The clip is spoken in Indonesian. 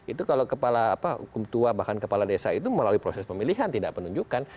itu kalau kepala apa hukum tua bahkan kepala desa itu melalui proses pemilihan tidak penunjukan